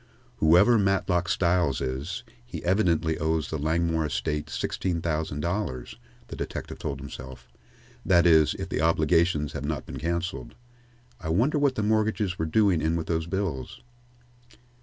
"Whoever Matlock Styles is, he evidently owes the Langmore estate sixteen thousand dollars," the detective told himself; "that is, if the obligations have not been cancelled. I wonder what the mortgages were doing in with those bills?"